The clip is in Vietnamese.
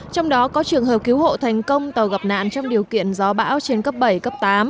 trong đó có trường hợp cứu hộ thành công tàu gặp nạn trong điều kiện gió bão trên cấp bảy cấp tám